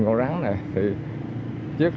con rắn này thì chiếc